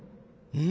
うん？